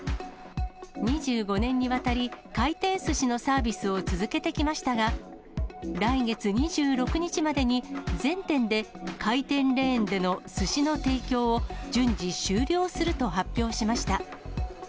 ２５年にわたり、回転すしのサービスを続けてきましたが、来月２６日までに、全店で回転レーンでのすしの提供を順次、終了すると発表しました。